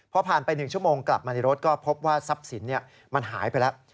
พอผ่านไป๑ชั่วโมงกลับมาในรถก็พบว่าทรัพย์สินมันหายไปแล้ว